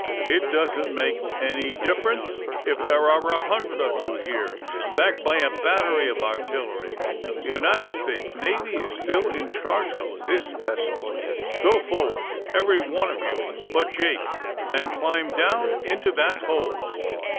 It doesn't make any difference if there are a hundred of you here, backed by a battery of artillery, the United States Navy is still in charge of this vessel. Go forward, everyone of you, but Jake, and climb down into that hold!"